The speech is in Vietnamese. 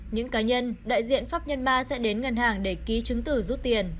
những cá nhân đại diện pháp nhân ba sẽ đến ngân hàng để ký chứng tử rút tiền